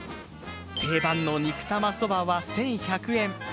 定番の肉玉そばは１１００円。